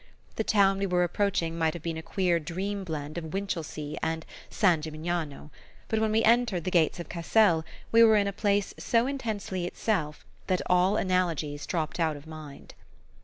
The town we were approaching might have been a queer dream blend of Winchelsea and San Gimignano; but when we entered the gates of Cassel we were in a place so intensely itself that all analogies dropped out of mind.